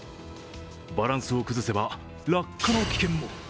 バランスを崩せば落下の危険も。